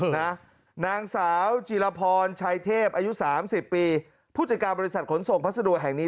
นางสาวจีรพรชัยเทพอายุสามสิบปีผู้จัดการบริษัทขนส่งพัสดุแห่งนี้